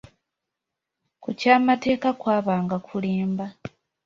Ku ky'amateeka kwabanga kulimba.